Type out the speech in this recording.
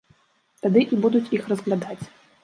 Тады і будуць іх разглядаць.